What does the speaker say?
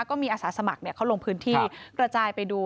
ก็มีอาสาสมัครเขาลงพื้นที่กระจายไปดู